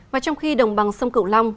và trong khi đồng bằng sông cửu long